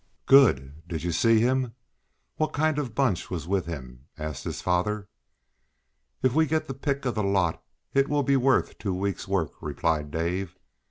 "Good! Did you see him? What kind of a bunch has he with him?" asked his father. "If we get the pick of the lot it will be worth two weeks' work," replied Dave.